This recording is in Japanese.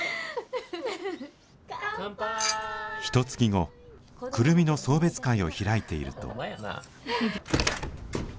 ひとつき後久留美の送別会を開いていると。